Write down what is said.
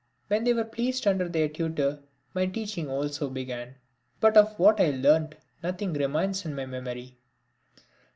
When they were placed under their tutor, my teaching also began, but of what I learnt nothing remains in my memory.